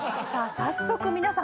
早速皆さん